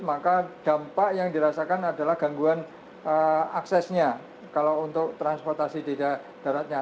maka dampak yang dirasakan adalah gangguan aksesnya kalau untuk transportasi di daratnya